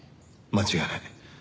間違いない。